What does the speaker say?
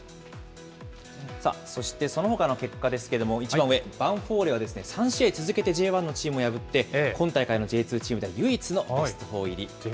そしてそのほかの結果ですけれども、一番上、ヴァンフォーレは３試合続けてＪ１のチームを破って、今大会のＪ２チームでは唯一のベストフォー入り。